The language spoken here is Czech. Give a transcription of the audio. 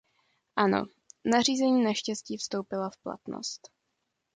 Ano, nařízení naštěstí vstoupilo v platnost.